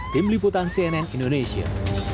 tim liputan cnn indonesia